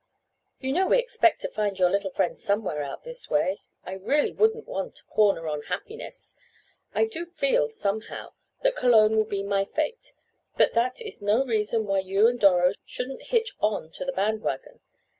"You know we expect to find your little friend somewhere out this way. I really wouldn't want a corner on happiness. I do feel, somehow, that Cologne will be my fate, but that is no reason why you and Doro shouldn't hitch on to the band wagon.